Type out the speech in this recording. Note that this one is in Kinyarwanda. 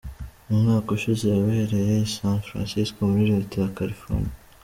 Umwaka ushize yabereye i San Francisco muri Leta ya Calfornia.